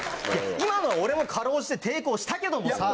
今のは俺も辛うじて抵抗したけどもさぁ。